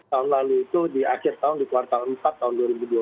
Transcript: tahun lalu itu di akhir tahun di kuartal empat tahun dua ribu dua puluh